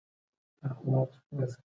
د ټولنې هر وګړی مسؤلیتونه لري.